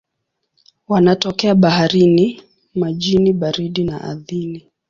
Wanatokea baharini, majini baridi na ardhini.